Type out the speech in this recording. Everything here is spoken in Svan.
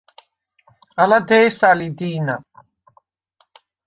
ალა დე̄სა ლი დი̄ნა.